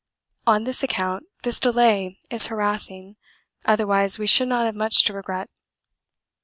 On this account this delay is harassing otherwise we should not have much to regret.